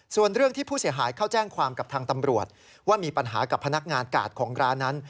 ส่วนเรื่องที่ผู้เสียหายเข้าแจ้งความกับทางตำรวจว่ามีปัญหากับพนักงานกาดของร้านนั้น